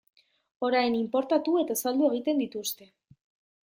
Orain inportatu eta saldu egiten dituzte.